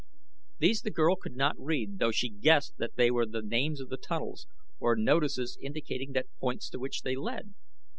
These the girl could not read though she guessed that they were the names of the tunnels, or notices indicating the points to which they led.